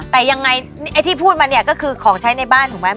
แต่ยังไงไอ้ที่พูดมาเนี่ยก็คือของใช้ในบ้านถูกไหม